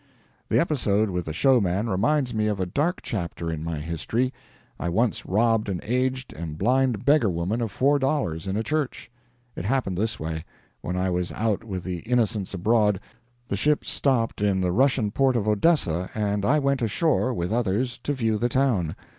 The episode with the showman reminds me of a dark chapter in my history. I once robbed an aged and blind beggar woman of four dollars in a church. It happened this way. When I was out with the Innocents Abroad, the ship stopped in the Russian port of Odessa and I went ashore, with others, to view the town.